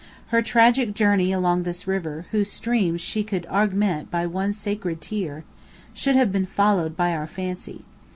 Her tragic journey along this river, whose stream she could augment by one sacred tear, should have been followed by our fancy.